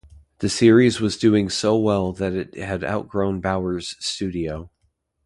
The series was doing so well that it had outgrown Bowers' studio.